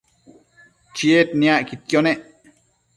Chied niacquidquio nec